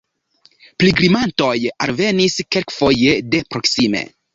Pilgrimantoj alvenis, kelkfoje de proksime.